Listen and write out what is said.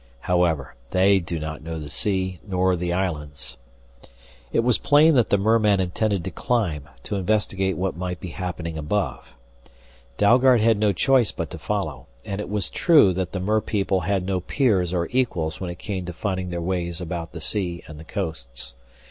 However, they do not know the sea, nor the islands " It was plain that the merman intended to climb to investigate what might be happening above. Dalgard had no choice but to follow. And it was true that the merpeople had no peers or equals when it came to finding their ways about the sea and the coasts.